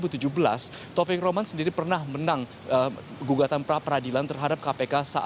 taufik roman sendiri pernah menang gugatan pra peradilan terhadap kpk